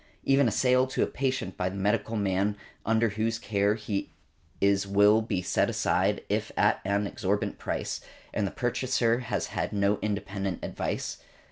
Even a sale to a patient by the medical man under whose care he is will be set aside if at an exorbitant price, and the purchaser has had no independent advice .